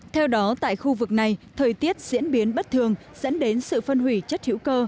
theo đó tại khu vực này thời tiết diễn biến bất thường dẫn đến sự phân hủy chất hữu cơ